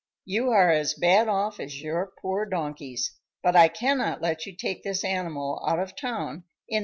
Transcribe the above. You are as bad off as your poor donkeys, but I cannot let you take this animal out of town in that condition."